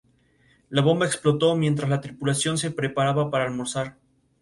La sinfonía ha recibido popularmente el nombre de "el oso".